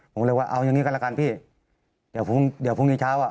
ผมเลยว่าเอายังงี้ก็แล้วกันพี่เดี๋ยวพรุ่งนี้เช้า